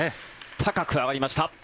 高く上がりました。